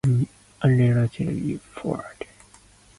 Ultimately though the Tasmanian battalion was never formed.